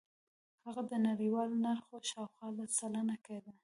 هغه د نړیوال نرخ شاوخوا لس سلنه کېده.